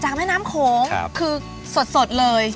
แม่น้ำโขงคือสดเลย